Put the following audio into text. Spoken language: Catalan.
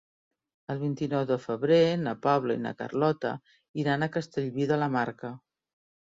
El vint-i-nou de febrer na Paula i na Carlota iran a Castellví de la Marca.